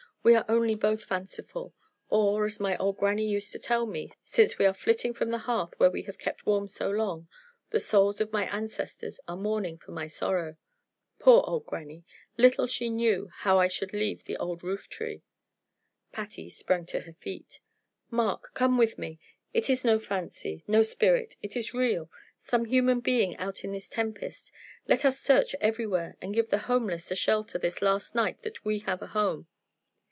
"We are only both fanciful; or, as my old grannie used to tell me, since we are flitting from the hearth where we have kept warm so long, the souls of my ancestors are mourning for my sorrow. Poor old grannie! little she knew how I should leave the old roof tree." Patty sprung to her feet. "Mark, come with me! It is no fancy no spirit. It is real; some human being out in this tempest. Let us search everywhere, and give the homeless a shelter this last night that we have a home."